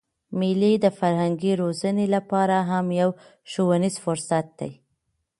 مېلې د فرهنګي روزني له پاره هم یو ښوونیز فرصت دئ.